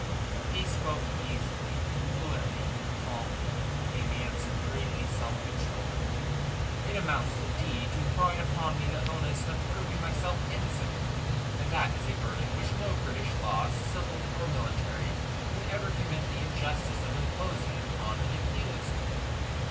He spoke easily, fluently, and calmly: a man supremely self controlled. "It amounts, indeed, to throwing upon me the onus of proving myself innocent, and that is a burden which no British laws, civil or miliary, would ever commit the injustice of imposing upon an accused.